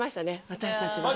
私たちは。